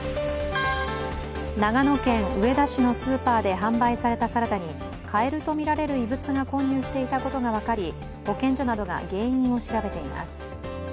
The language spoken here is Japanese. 長野県上田市のスーパーで販売されたサラダにカエルとみられる異物が混入していたことが分かり保健所などが原因を調べています。